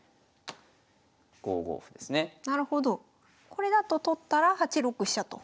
これだと取ったら８六飛車と。